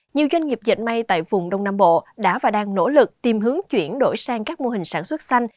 nhiều doanh nghiệp dịch may tại vùng đông nam bộ đã và đang nỗ lực tìm hướng chuyển đổi sang các mô hình sản xuất xanh